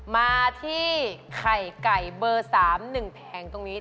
มาที่ไข่ไก่เบอร์๓๑แผงตรงนี้